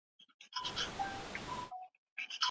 خو بايد د هغوی په تګلاره کي بدلون راولو.